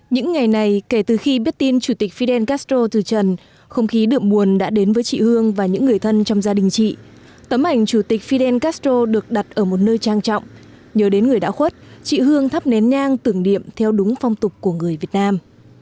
những ngày này kể từ khi biết tin chủ tịch fidel castro từ trần không khí đượm buồn đã đến với chị hương và những người thân trong gia đình chị tấm ảnh chủ tịch fidel castro được đặt ở một nơi trang trọng nhớ đến người đã khuất chị hương thắp nén nhang tưởng niệm theo đúng phong tục của người việt nam